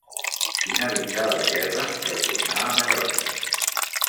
Finalitzada la guerra retornà a Mallorca.